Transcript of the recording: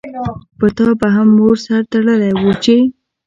پرتا به هم مور سر تړلی وو چی